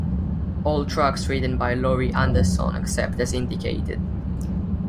All tracks written by Laurie Anderson except as indicated.